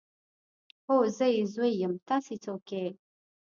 هو زه يې زوی يم تاسې څوک يئ.